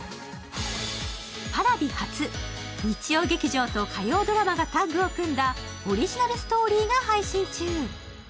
Ｐａｒａｖｉ初、日曜劇場と火曜ドラマタッグを組んだオリジナルストーリーが配信中。